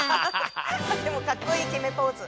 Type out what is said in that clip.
でもかっこいいきめポーズ！